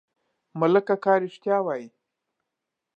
ملک اکا رښتيا وايي.